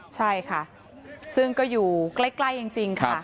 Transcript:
ใช่ค่ะซึ่งก็อยู่ใกล้จริงค่ะ